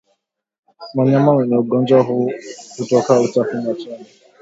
Wanyama wenye ugonjwa huu hutoka uchafu machoni